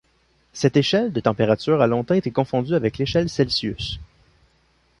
Cette échelle de température a longtemps été confondue avec l'échelle Celsius.